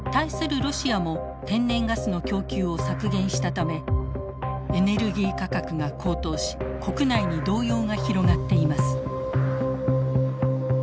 ロシアも天然ガスの供給を削減したためエネルギー価格が高騰し国内に動揺が広がっています。